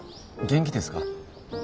元気ですか？